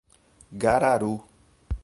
Gararu